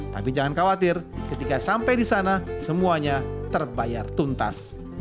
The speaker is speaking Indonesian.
tapi jangan khawatir ketika sampai di sana semuanya terbayar tuntas